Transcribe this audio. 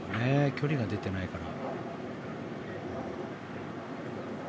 距離が出てないから。